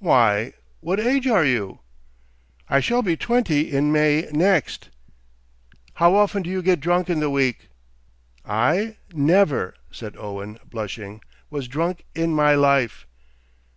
"Why, what age are you?" "I shall be twenty in May next." "How often do you get drunk in the week?" "I never," said Owen, blushing, "was drunk in my life."